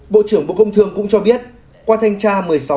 bộ trưởng bộ công thương cũng cho biết qua thanh tra một mươi sáu tám trăm linh